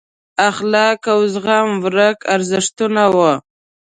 اخلاق او زغم ورک ارزښتونه وو.